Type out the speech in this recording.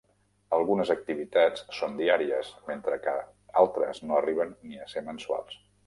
Algunes activitats són diàries mentre que altres no arriben ni a ser mensuals.